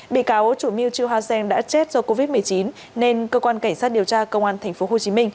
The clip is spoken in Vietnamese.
bị cáo chủ mưu chiêu hao cheng đã chết do covid một mươi chín nên cơ quan cảnh sát điều tra công an tp hcm